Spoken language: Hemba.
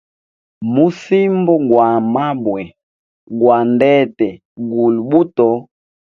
Musimbo gwa mabwe, gwa ndete guli buto.